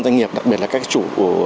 doanh nghiệp đặc biệt là các chủ